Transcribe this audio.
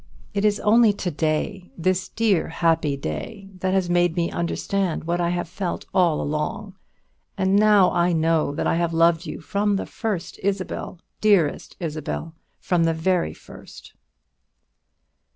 It is only to day this dear, happy day that has made me understand what I have felt all along; and now I know that I have loved you from the first, Isabel, dear Isabel, from the very first."